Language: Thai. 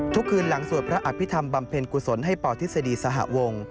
คืนหลังสวดพระอภิษฐรรมบำเพ็ญกุศลให้ปทฤษฎีสหวง